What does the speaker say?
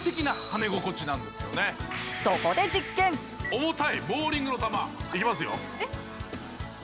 重たいボウリングの球、いきますよ。